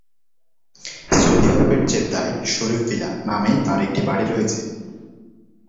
Saudi আরবের জেদ্দায় 'Sharif Villa' নামে তার একটি বাড়ি রয়েছে।